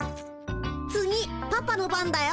次パパの番だよ。